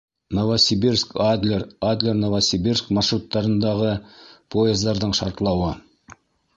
Новосибирск — Адлер, Адлер — Новосибирск маршруттарындағы поездарҙың шартлауы.